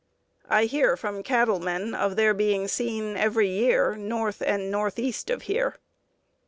I hear from cattlemen of their being seen every year north and northeast of here."